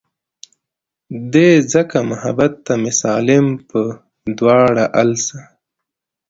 دے ځکه محبت ته مې سالم پۀ دواړه السه